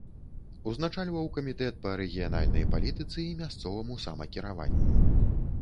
Узначальваў камітэт па рэгіянальнай палітыцы і мясцоваму самакіраванню.